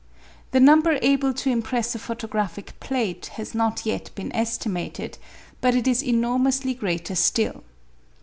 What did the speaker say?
The number able to impress a photographic plate has not yet been estimated; but it is enormously greater still.